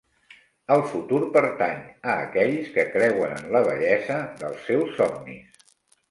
El futur pertany a aquells que creuen en la bellesa dels seus somnis.